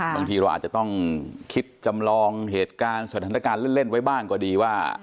บางทีเราอาจจะต้องคิดจำลองเหตุการณ์สถานการณ์เล่นไว้บ้างก็ดีว่า